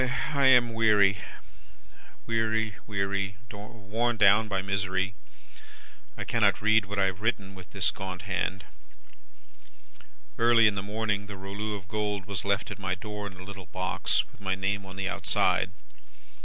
"I am weary, weary, weary worn down by misery. I cannot read what I have written with this gaunt hand. "Early in the morning, the rouleau of gold was left at my door in a little box, with my name on the outside.